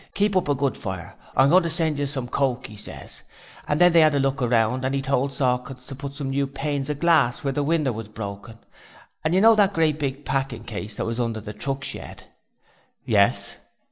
"Keep up a good fire. I'm going to send you some coke," 'e ses. And then they 'ad a look round and 'e told Sawkins to put some new panes of glass where the winder was broken, and you know that great big packing case what was under the truck shed?' 'Yes.'